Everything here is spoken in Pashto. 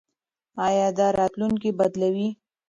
ایا دا راتلونکی بدلوي؟